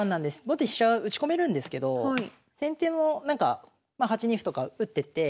後手飛車打ち込めるんですけど先手のなんかまあ８二歩とか打ってって